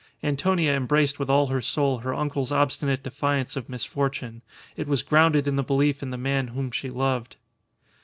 Antonia embraced with all her soul her uncle's obstinate defiance of misfortune. It was grounded in the belief in the man whom she loved.